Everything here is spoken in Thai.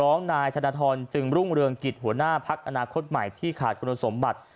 นายธนทรจึงรุ่งเรืองกิจหัวหน้าพักอนาคตใหม่ที่ขาดคุณสมบัติ